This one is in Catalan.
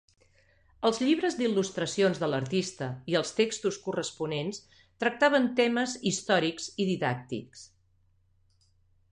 Els llibres d'il·lustracions de l'artista i els textos corresponents tractaven temes històrics i didàctics.